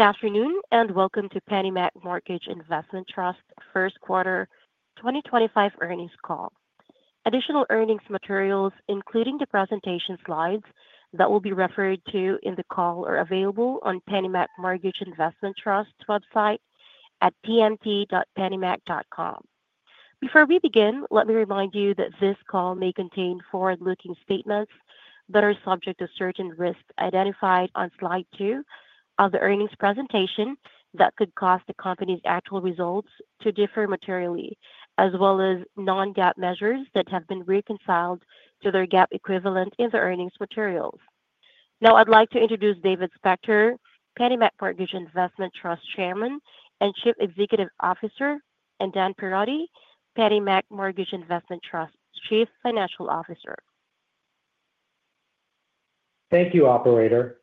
Good afternoon and welcome to PennyMac Mortgage Investment Trust Q1 2025 earnings call. Additional earnings materials, including the presentation slides that will be referred to in the call, are available on PennyMac Mortgage Investment Trust website at pmt.pennymac.com. Before we begin, let me remind you that this call may contain forward-looking statements that are subject to certain risks identified on slide two of the earnings presentation that could cause the company's actual results to differ materially, as well as non-GAAP measures that have been reconciled to their GAAP equivalent in the earnings materials. Now, I'd like to introduce David Spector, PennyMac Mortgage Investment Trust Chairman and Chief Executive Officer, and Dan Perotti, PennyMac Mortgage Investment Trust Chief Financial Officer. Thank you, Operator.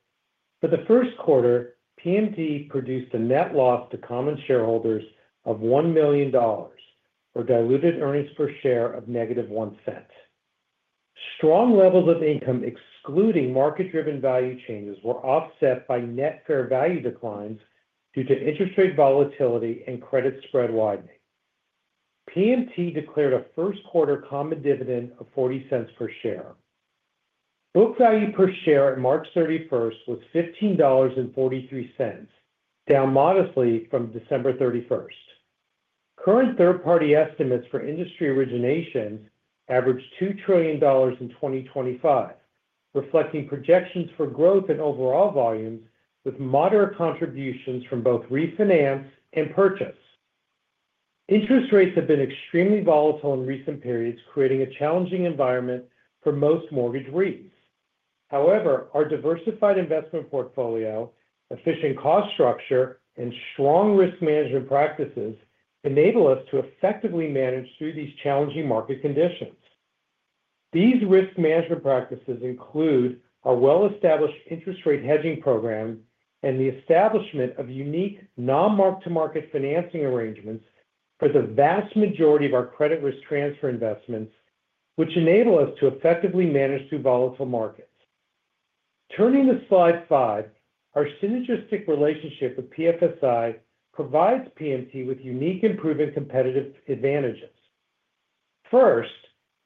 For the Q1, PMT produced a net loss to common shareholders of $1 million for diluted earnings per share of negative one cent. Strong levels of income, excluding market-driven value changes, were offset by net fair value declines due to interest rate volatility and credit spread widening. PMT declared a Q1 common dividend of $0.40 per share. Book value per share on March 31 was $15.43, down modestly from December 31. Current third-party estimates for industry originations average $2 trillion in 2025, reflecting projections for growth in overall volumes with moderate contributions from both refinance and purchase. Interest rates have been extremely volatile in recent periods, creating a challenging environment for most mortgage REITs. However, our diversified investment portfolio, efficient cost structure, and strong risk management practices enable us to effectively manage through these challenging market conditions. These risk management practices include our well-established interest rate hedging program and the establishment of unique non-mark-to-market financing arrangements for the vast majority of our credit risk transfer investments, which enable us to effectively manage through volatile markets. Turning to slide five, our synergistic relationship with PFSI provides PMT with unique and proven competitive advantages. First,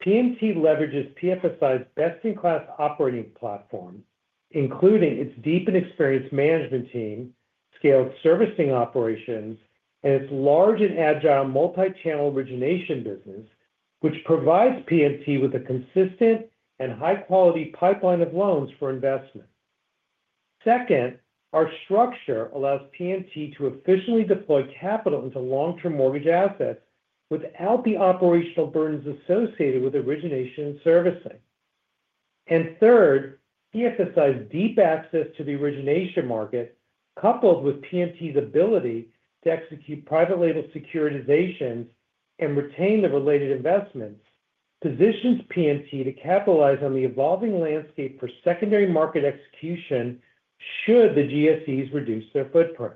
PMT leverages PFSI's best-in-class operating platform, including its deep and experienced management team, scaled servicing operations, and its large and agile multi-channel origination business, which provides PMT with a consistent and high-quality pipeline of loans for investment. Second, our structure allows PMT to efficiently deploy capital into long-term mortgage assets without the operational burdens associated with origination and servicing. PFSI's deep access to the origination market, coupled with PMT's ability to execute private label securitizations and retain the related investments, positions PMT to capitalize on the evolving landscape for secondary market execution should the GSEs reduce their footprint.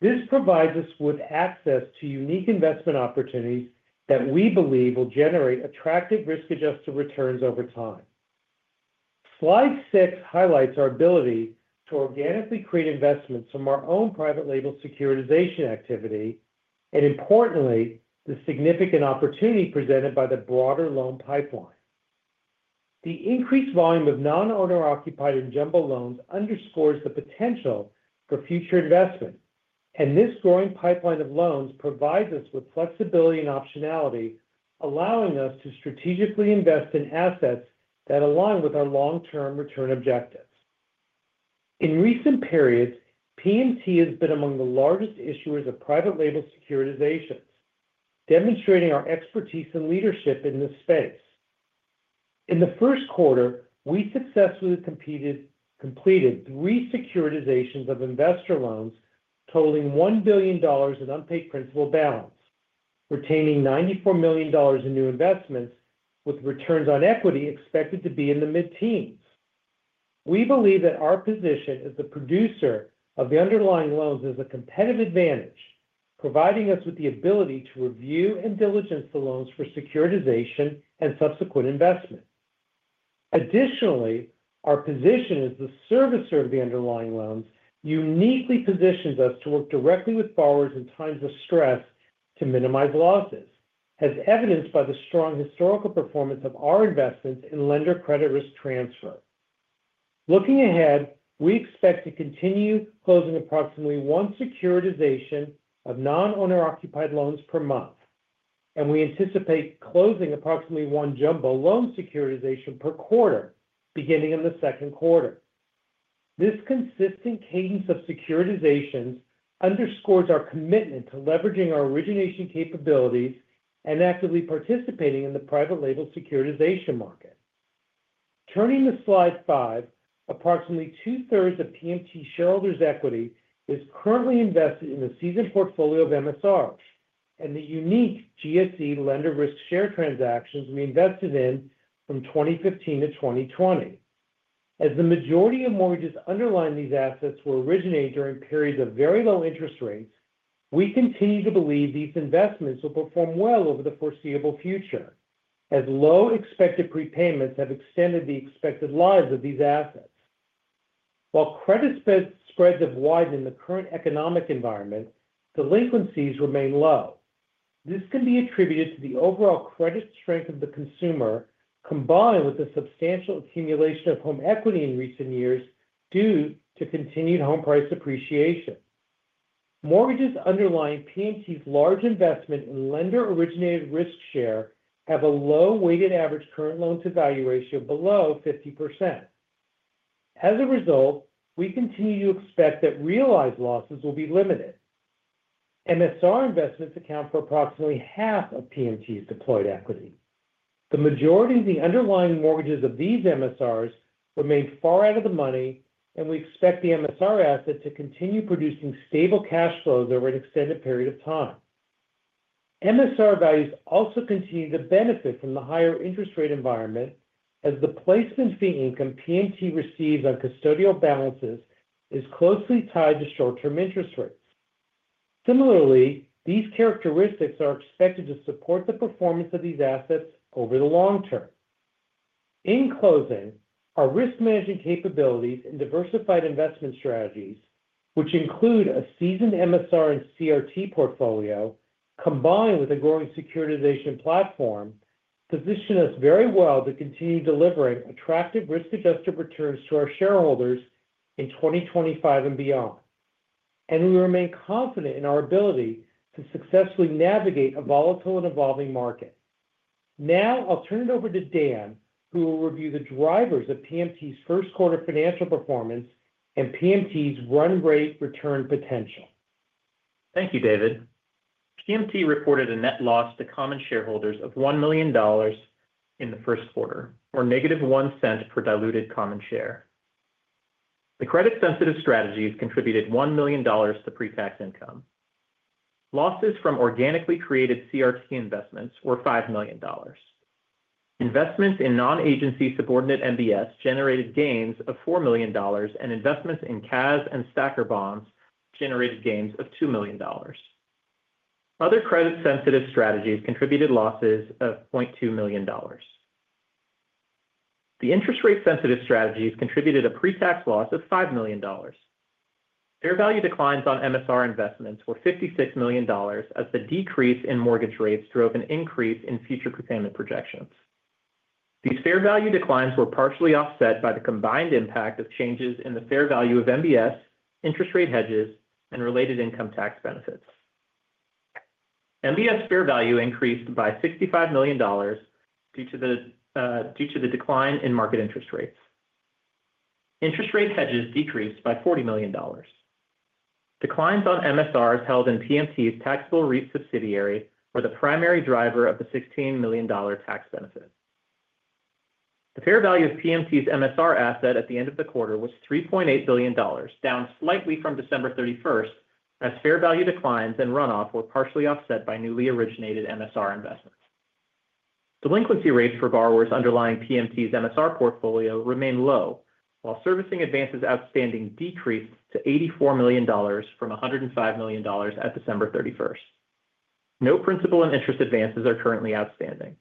This provides us with access to unique investment opportunities that we believe will generate attractive risk-adjusted returns over time. Slide six highlights our ability to organically create investments from our own private label securitization activity and, importantly, the significant opportunity presented by the broader loan pipeline. The increased volume of non-owner-occupied and jumbo loans underscores the potential for future investment, and this growing pipeline of loans provides us with flexibility and optionality, allowing us to strategically invest in assets that align with our long-term return objectives. In recent periods, PMT has been among the largest issuers of private label securitizations, demonstrating our expertise and leadership in this space. In the Q1, we successfully completed three securitizations of investor loans totaling $1 billion in unpaid principal balance, retaining $94 million in new investments, with returns on equity expected to be in the mid-teens. We believe that our position as the producer of the underlying loans is a competitive advantage, providing us with the ability to review and diligence the loans for securitization and subsequent investment. Additionally, our position as the servicer of the underlying loans uniquely positions us to work directly with borrowers in times of stress to minimize losses, as evidenced by the strong historical performance of our investments in lender credit risk transfer. Looking ahead, we expect to continue closing approximately one securitization of non-owner-occupied loans per month, and we anticipate closing approximately one jumbo loan securitization per quarter beginning in the Q2. This consistent cadence of securitizations underscores our commitment to leveraging our origination capabilities and actively participating in the private label securitization market. Turning to slide five, approximately two-thirds of PMT shareholders' equity is currently invested in the seasoned portfolio of MSR and the unique GSE lender risk share transactions we invested in from 2015 to 2020. As the majority of mortgages underlying these assets were originated during periods of very low interest rates, we continue to believe these investments will perform well over the foreseeable future, as low expected prepayments have extended the expected lives of these assets. While credit spreads have widened in the current economic environment, delinquencies remain low. This can be attributed to the overall credit strength of the consumer combined with the substantial accumulation of home equity in recent years due to continued home price appreciation. Mortgages underlying PMT's large investment in lender-originated risk share have a low weighted average current loan-to-value ratio below 50%. As a result, we continue to expect that realized losses will be limited. MSR investments account for approximately half of PMT's deployed equity. The majority of the underlying mortgages of these MSRs remain far out of the money, and we expect the MSR asset to continue producing stable cash flows over an extended period of time. MSR values also continue to benefit from the higher interest rate environment, as the placement fee income PMT receives on custodial balances is closely tied to short-term interest rates. Similarly, these characteristics are expected to support the performance of these assets over the long term. In closing, our risk management capabilities and diversified investment strategies, which include a seasoned MSR and CRT portfolio combined with a growing securitization platform, position us very well to continue delivering attractive risk-adjusted returns to our shareholders in 2025 and beyond. We remain confident in our ability to successfully navigate a volatile and evolving market. Now, I'll turn it over to Dan, who will review the drivers of PMT's Q1 financial performance and PMT's run rate return potential. Thank you, David. PMT reported a net loss to common shareholders of $1 million in the Q1, or negative one cent per diluted common share. The credit-sensitive strategies contributed $1 million to pre-tax income. Losses from organically created CRT investments were $5 million. Investments in non-agency subordinate MBS generated gains of $4 million, and investments in CAS and STACKR bonds generated gains of $2 million. Other credit-sensitive strategies contributed losses of $0.2 million. The interest rate-sensitive strategies contributed a pre-tax loss of $5 million. Fair value declines on MSR investments were $56 million, as the decrease in mortgage rates drove an increase in future prepayment projections. These fair value declines were partially offset by the combined impact of changes in the fair value of MBS, interest rate hedges, and related income tax benefits. MBS fair value increased by $65 million due to the decline in market interest rates. Interest rate hedges decreased by $40 million. Declines on MSRs held in PMT's taxable REIT subsidiary were the primary driver of the $16 million tax benefit. The fair value of PMT's MSR asset at the end of the quarter was $3.8 billion, down slightly from December 31, as fair value declines and runoff were partially offset by newly originated MSR investments. Delinquency rates for borrowers underlying PMT's MSR portfolio remain low, while servicing advances outstanding decreased to $84 million from $105 million at December 31. No principal and interest advances are currently outstanding.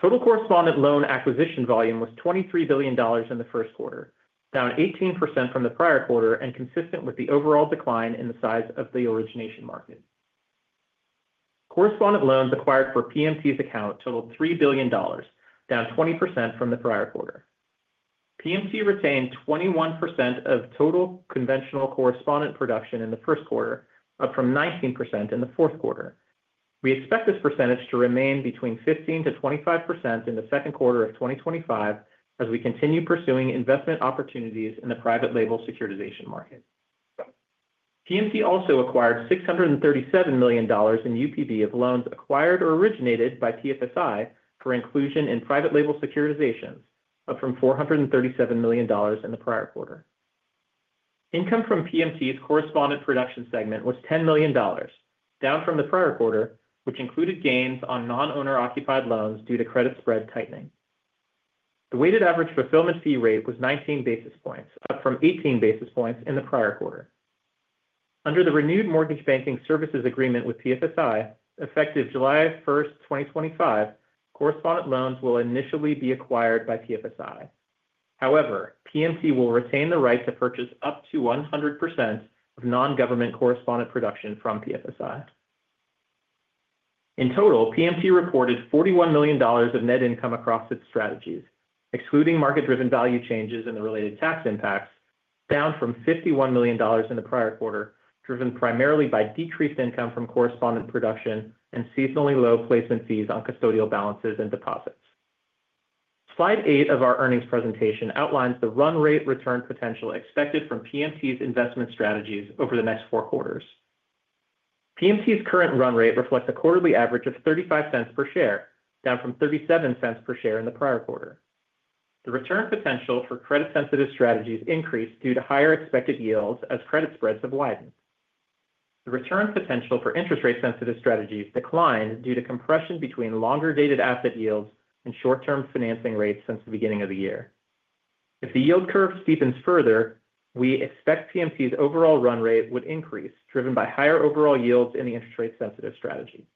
Total correspondent loan acquisition volume was $23 billion in the Q1, down 18% from the prior quarter and consistent with the overall decline in the size of the origination market. Correspondent loans acquired for PMT's account totaled $3 billion, down 20% from the prior quarter. PMT retained 21% of total conventional correspondent production in the Q1, up from 19% in the fourth quarter. We expect this percentage to remain between 15%-25% in the Q2 of 2025, as we continue pursuing investment opportunities in the private label securitization market. PMT also acquired $637 million in UPB of loans acquired or originated by PFSI for inclusion in private label securitizations, up from $437 million in the prior quarter. Income from PMT's correspondent production segment was $10 million, down from the prior quarter, which included gains on non-owner-occupied loans due to credit spread tightening. The weighted average fulfillment fee rate was 19 basis points, up from 18 basis points in the prior quarter. Under the renewed mortgage banking services agreement with PFSI effective July 1, 2025, correspondent loans will initially be acquired by PFSI. However, PMT will retain the right to purchase up to 100% of non-government correspondent production from PFSI. In total, PMT reported $41 million of net income across its strategies, excluding market-driven value changes and the related tax impacts, down from $51 million in the prior quarter, driven primarily by decreased income from correspondent production and seasonally low placement fees on custodial balances and deposits. Slide eight of our earnings presentation outlines the run rate return potential expected from PMT's investment strategies over the next four quarters. PMT's current run rate reflects a quarterly average of $0.35 per share, down from $0.37 per share in the prior quarter. The return potential for credit-sensitive strategies increased due to higher expected yields as credit spreads have widened. The return potential for interest rate-sensitive strategies declined due to compression between longer dated asset yields and short-term financing rates since the beginning of the year. If the yield curve steepens further, we expect PMT's overall run rate would increase, driven by higher overall yields in the interest rate-sensitive strategy.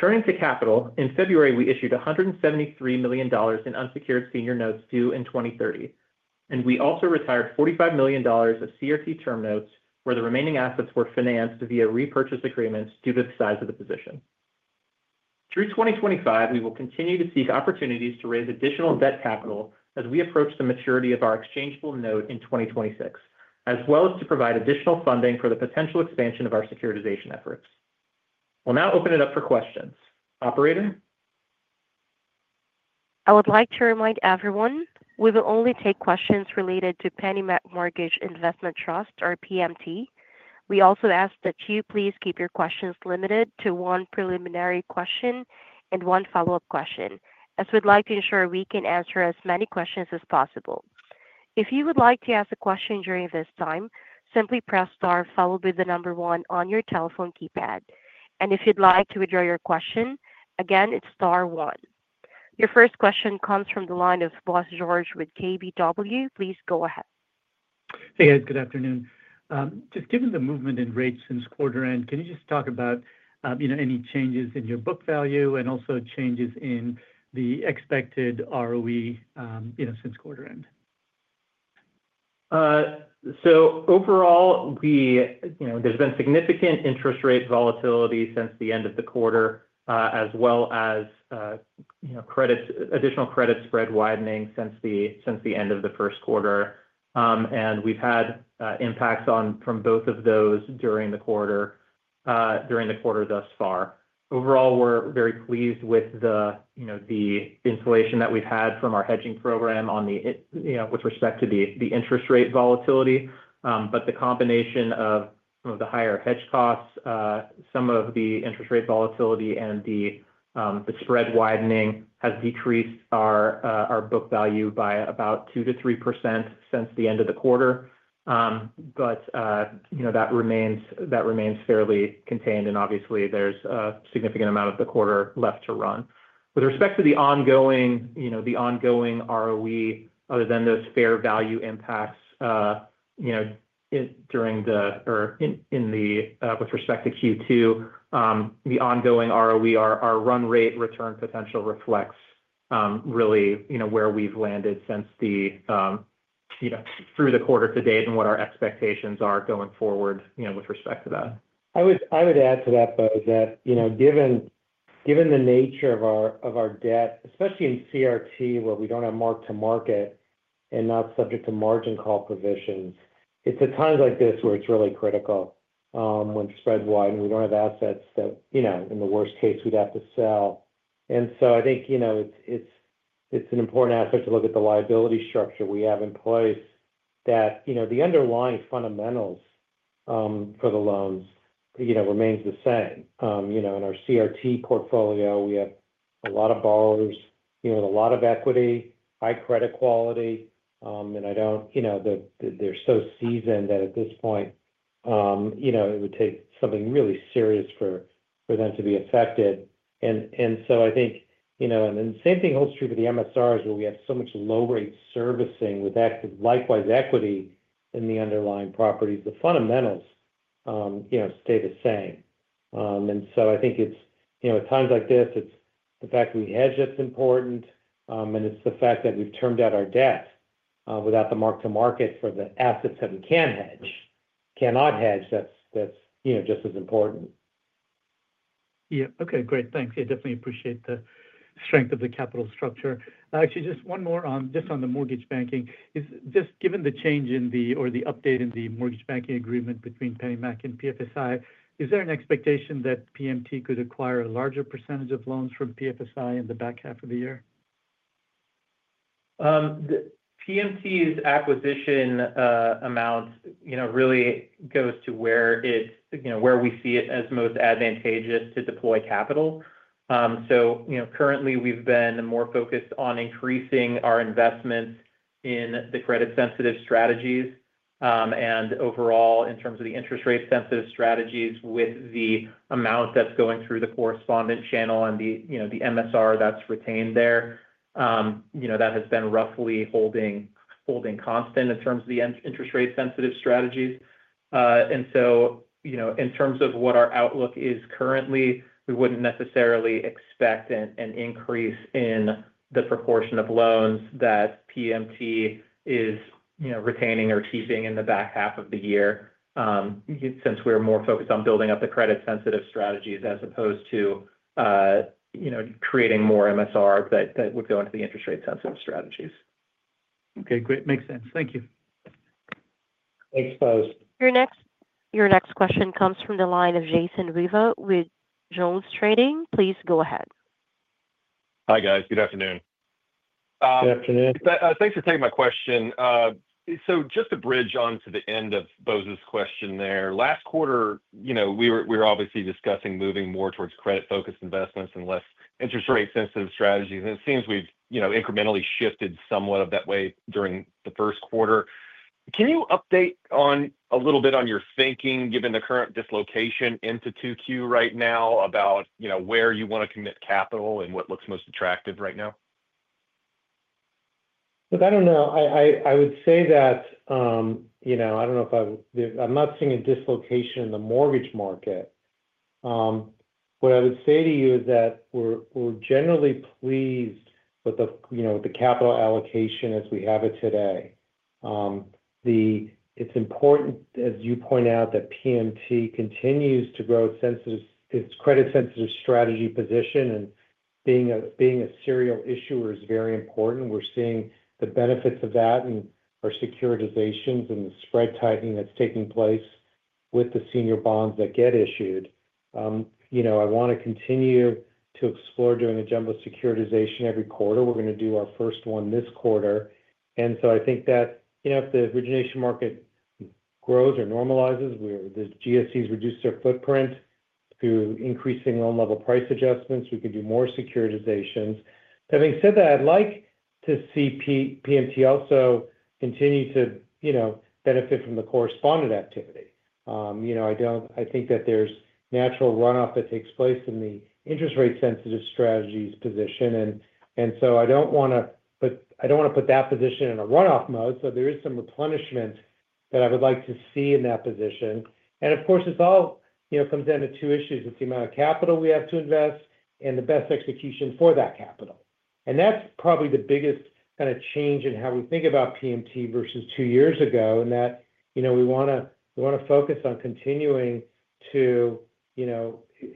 Turning to capital, in February, we issued $173 million in unsecured senior notes due in 2030, and we also retired $45 million of CRT term notes, where the remaining assets were financed via repurchase agreements due to the size of the position. Through 2025, we will continue to seek opportunities to raise additional debt capital as we approach the maturity of our exchangeable note in 2026, as well as to provide additional funding for the potential expansion of our securitization efforts. We'll now open it up for questions. Operator? I would like to remind everyone we will only take questions related to PennyMac Mortgage Investment Trust, or PMT. We also ask that you please keep your questions limited to one preliminary question and one follow-up question, as we'd like to ensure we can answer as many questions as possible. If you would like to ask a question during this time, simply press star followed by the number one on your telephone keypad. If you'd like to withdraw your question, again, it's star one. Your first question comes from the line of Bose George with KBW. Please go ahead. Hey, Ed. Good afternoon. Just given the movement in rates since quarter end, can you just talk about any changes in your book value and also changes in the expected ROE since quarter end? Overall, there's been significant interest rate volatility since the end of the quarter, as well as additional credit spread widening since the end of the Q1. We've had impacts from both of those during the quarter thus far. Overall, we're very pleased with the insulation that we've had from our hedging program with respect to the interest rate volatility. The combination of some of the higher hedge costs, some of the interest rate volatility, and the spread widening has decreased our book value by about 2-3% since the end of the quarter. That remains fairly contained, and obviously, there's a significant amount of the quarter left to run. With respect to the ongoing ROE, other than those fair value impacts during the or in the with respect to Q2, the ongoing ROE, our run rate return potential reflects really where we've landed since through the quarter to date and what our expectations are going forward with respect to that. I would add to that, though, that given the nature of our debt, especially in CRT, where we don't have mark to market and not subject to margin call provisions, it's at times like this where it's really critical when spreads widen, and we don't have assets that, in the worst case, we'd have to sell. I think it's an important aspect to look at the liability structure we have in place that the underlying fundamentals for the loans remain the same. In our CRT portfolio, we have a lot of borrowers with a lot of equity, high credit quality. I do not think they are so seasoned that at this point, it would take something really serious for them to be affected. I think the same thing holds true for the MSRs, where we have so much low rate servicing with likewise equity in the underlying properties. The fundamentals stay the same. I think it is at times like this, it is the fact that we hedge that is important, and it is the fact that we have termed out our debt without the mark-to-market for the assets that we can hedge, cannot hedge, that is just as important. Yeah. Okay. Great. Thanks. I definitely appreciate the strength of the capital structure. Actually, just one more on just on the mortgage banking. Just given the change in the or the update in the mortgage banking agreement between PennyMac and PFSI, is there an expectation that PMT could acquire a larger percentage of loans from PFSI in the back half of the year? PMT's acquisition amount really goes to where we see it as most advantageous to deploy capital. Currently, we've been more focused on increasing our investments in the credit-sensitive strategies. Overall, in terms of the interest rate-sensitive strategies, with the amount that's going through the correspondent channel and the MSR that's retained there, that has been roughly holding constant in terms of the interest rate-sensitive strategies. In terms of what our outlook is currently, we wouldn't necessarily expect an increase in the proportion of loans that PMT is retaining or keeping in the back half of the year since we're more focused on building up the credit-sensitive strategies as opposed to creating more MSR that would go into the interest rate-sensitive strategies. Okay. Great. Makes sense. Thank you. Thanks, Bose. Your next question comes from the line of Jason Weaver with Jones Trading. Please go ahead. Hi, guys. Good afternoon. Good afternoon. Thanks for taking my question. Just to bridge on to the end of Bose question there, last quarter, we were obviously discussing moving more towards credit-focused investments and less interest rate-sensitive strategies. It seems we've incrementally shifted somewhat of that way during the Q1. Can you update a little bit on your thinking, given the current dislocation into 2Q right now, about where you want to commit capital and what looks most attractive right now? Look, I don't know. I would say that I don't know if I'm not seeing a dislocation in the mortgage market. What I would say to you is that we're generally pleased with the capital allocation as we have it today. It's important, as you point out, that PMT continues to grow its credit-sensitive strategy position, and being a serial issuer is very important. We're seeing the benefits of that in our securitizations and the spread tightening that's taking place with the senior bonds that get issued. I want to continue to explore doing a jumbo securitization every quarter. We're going to do our first one this quarter. I think that if the origination market grows or normalizes, the GSEs reduce their footprint through increasing loan-level price adjustments, we could do more securitizations. Having said that, I'd like to see PMT also continue to benefit from the correspondent activity. I think that there's natural runoff that takes place in the interest rate-sensitive strategies position. I don't want to put that position in a runoff mode. There is some replenishment that I would like to see in that position. Of course, it all comes down to two issues: it's the amount of capital we have to invest and the best execution for that capital. That's probably the biggest kind of change in how we think about PMT versus two years ago, in that we want to focus on continuing to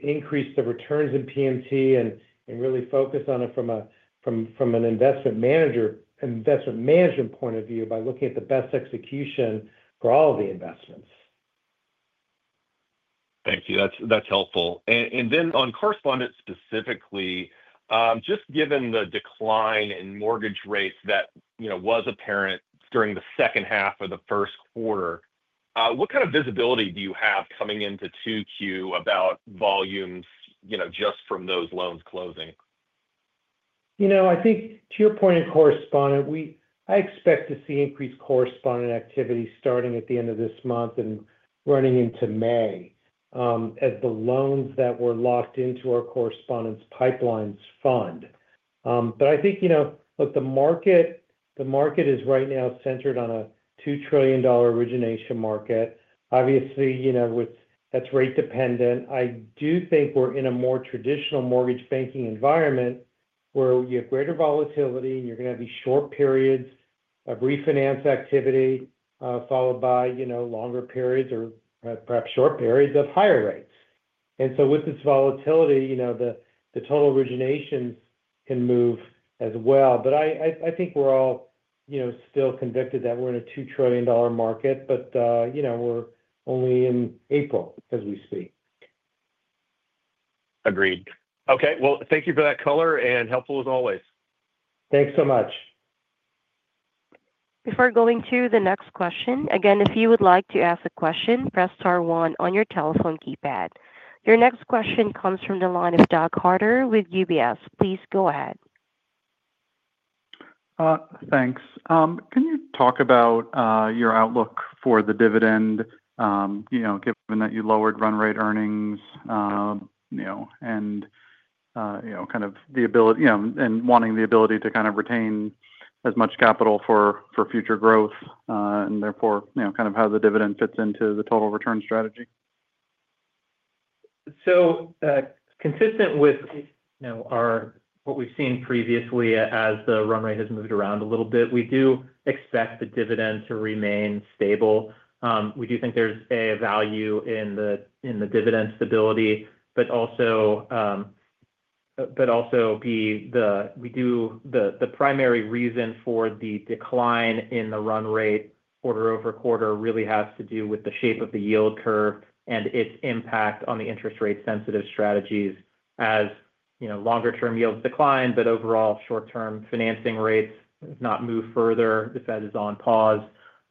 increase the returns in PMT and really focus on it from an investment management point of view by looking at the best execution for all of the investments. Thank you. That is helpful. Then on correspondent specifically, just given the decline in mortgage rates that was apparent during the second half of the Q1, what kind of visibility do you have coming into 2Q about volumes just from those loans closing? I think to your point in correspondent, I expect to see increased correspondent activity starting at the end of this month and running into May as the loans that were locked into our correspondent pipelines fund. I think, look, the market is right now centered on a $2 trillion origination market. Obviously, that's rate-dependent. I do think we're in a more traditional mortgage banking environment where you have greater volatility, and you're going to have these short periods of refinance activity followed by longer periods or perhaps short periods of higher rates. With this volatility, the total originations can move as well. I think we're all still convicted that we're in a $2 trillion market, but we're only in April as we speak. Agreed. Okay. Thank you for that color and helpful as always. Thanks so much. Before going to the next question, again, if you would like to ask a question, press star one on your telephone keypad. Your next question comes from the line of Doug Harter with UBS. Please go ahead. Thanks. Can you talk about your outlook for the dividend, given that you lowered run rate earnings and kind of the ability and wanting the ability to kind of retain as much capital for future growth and therefore kind of how the dividend fits into the total return strategy? Consistent with what we've seen previously as the run rate has moved around a little bit, we do expect the dividend to remain stable. We do think there's a value in the dividend stability, but also the primary reason for the decline in the run rate quarter over quarter really has to do with the shape of the yield curve and its impact on the interest rate-sensitive strategies. As longer-term yields decline, but overall short-term financing rates have not moved further, the Fed is on pause.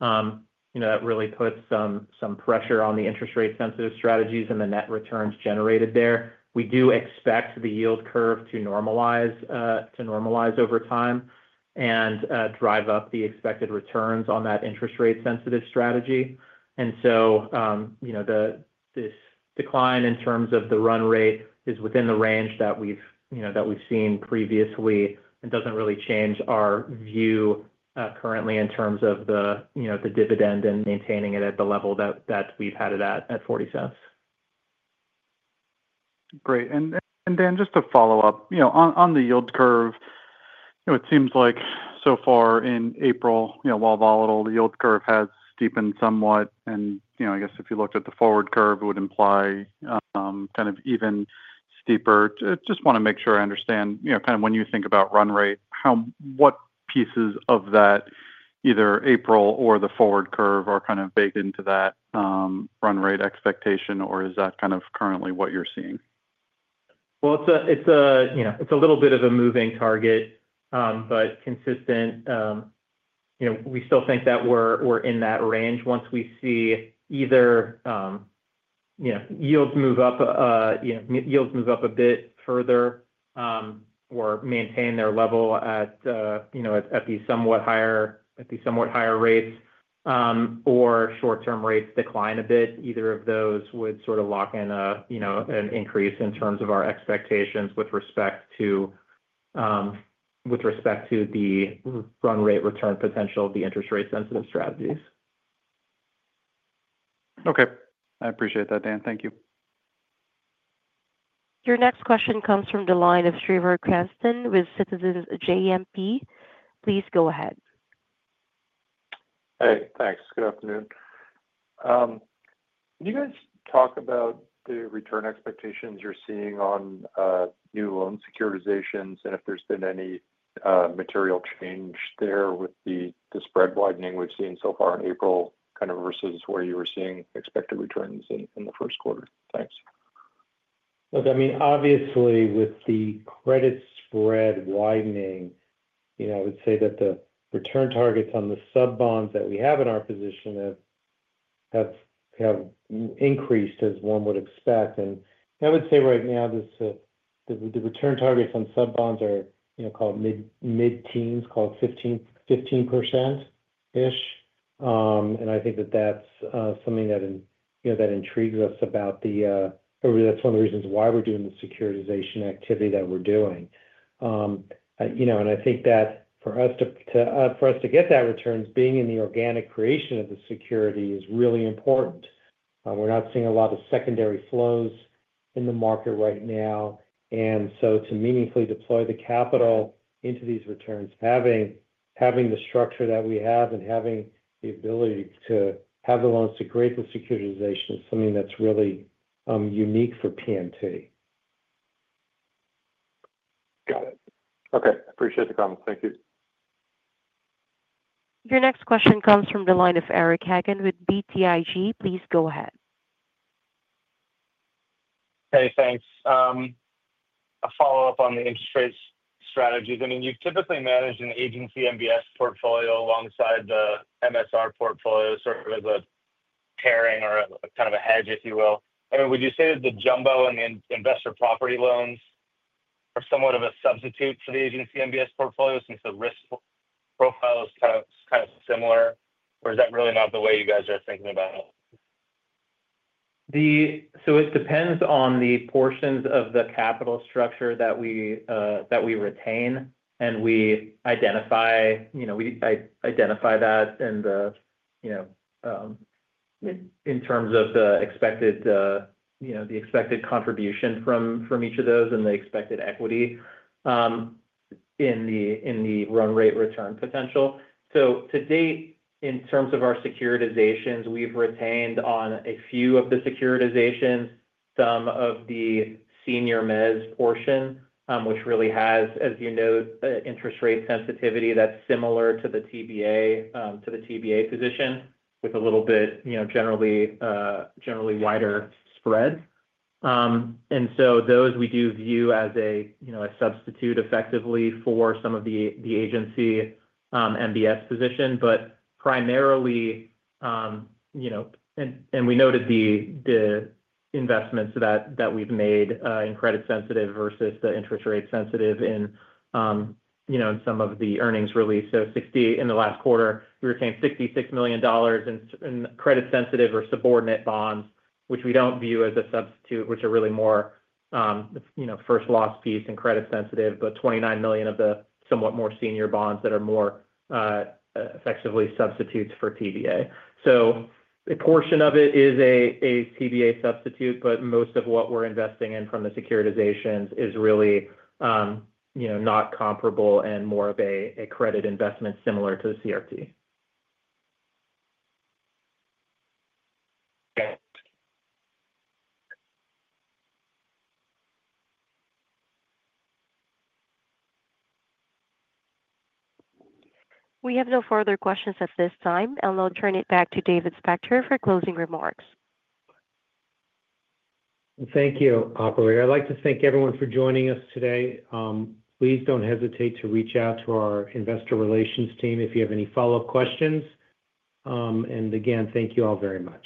That really puts some pressure on the interest rate-sensitive strategies and the net returns generated there. We do expect the yield curve to normalize over time and drive up the expected returns on that interest rate-sensitive strategy. This decline in terms of the run rate is within the range that we've seen previously and doesn't really change our view currently in terms of the dividend and maintaining it at the level that we've had it at, at $0.40. Great. Just to follow up, on the yield curve, it seems like so far in April, while volatile, the yield curve has steepened somewhat. I guess if you looked at the forward curve, it would imply kind of even steeper. Just want to make sure I understand kind of when you think about run rate, what pieces of that, either April or the forward curve, are kind of baked into that run rate expectation, or is that kind of currently what you're seeing? It's a little bit of a moving target, but consistent. We still think that we're in that range once we see either yields move up a bit further or maintain their level at these somewhat higher rates or short-term rates decline a bit, Either of those would sort of lock in an increase in terms of our expectations with respect to the run rate return potential of the interest rate-sensitive strategies. Okay. I appreciate that, Dan. Thank you. Your next question comes from the line of Trevor Cranston with Citizens JMP. Please go ahead. Hey. Thanks. Good afternoon. Can you guys talk about the return expectations you're seeing on new loan securitizations and if there's been any material change there with the spread widening we've seen so far in April kind of versus where you were seeing expected returns in the Q1? Thanks. Look, I mean, obviously, with the credit spread widening, I would say that the return targets on the sub-bonds that we have in our position have increased, as one would expect. I would say right now, the return targets on sub-bonds are called mid-teens, called 15%-ish. I think that that's something that intrigues us about the or that's one of the reasons why we're doing the securitization activity that we're doing. I think that for us to get that returns, being in the organic creation of the security is really important. We're not seeing a lot of secondary flows in the market right now. To meaningfully deploy the capital into these returns, having the structure that we have and having the ability to have the loans to create the securitization is something that's really unique for PMT. Got it. Okay. Appreciate the comments. Thank you. Your next question comes from the line of Eric Hagen with BTIG. Please go ahead. Hey. Thanks. A follow-up on the interest rate strategies. I mean, you've typically managed an agency MBS portfolio alongside the MSR portfolio sort of as a pairing or kind of a hedge, if you will. I mean, would you say that the jumbo and the investor property loans are somewhat of a substitute for the agency MBS portfolio since the risk profile is kind of similar, or is that really not the way you guys are thinking about it? It depends on the portions of the capital structure that we retain, and we identify that in terms of the expected contribution from each of those and the expected equity in the run rate return potential. To date, in terms of our securitizations, we've retained on a few of the securitizations some of the senior Mezz portion, which really has, as you know, interest rate sensitivity that's similar to the TBA position with a little bit generally wider spread. Those we do view as a substitute effectively for some of the agency MBS position. Primarily, and we noted the investments that we've made in credit-sensitive versus the interest rate sensitive in some of the earnings release. In the last quarter, we retained $66 million in credit-sensitive or subordinate bonds, which we do not view as a substitute, which are really more first loss piece and credit-sensitive, but $29 million of the somewhat more senior bonds that are more effectively substitutes for TBA. A portion of it is a TBA substitute, but most of what we are investing in from the securitizations is really not comparable and more of a credit investment similar to CRT. Got it. We have no further questions at this time, and I'll turn it back to David Spector for closing remarks. Thank you, Operator. I'd like to thank everyone for joining us today. Please do not hesitate to reach out to our investor relations team if you have any follow-up questions. Thank you all very much.